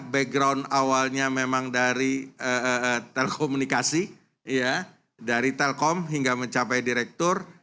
background awalnya memang dari telekomunikasi dari telkom hingga mencapai direktur